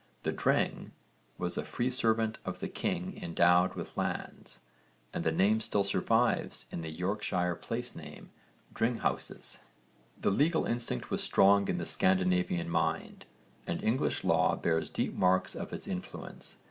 The 'dreng' was 'a free servant of the king endowed with lands' and the name still survives in the Yorkshire place name Dringhouses. The legal instinct was strong in the Scandinavian mind and English law bears deep marks of its influence.